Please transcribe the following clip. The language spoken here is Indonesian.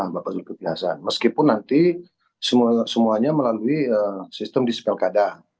mbak pazul kepiasan meskipun nanti semuanya melalui sistem dispel kada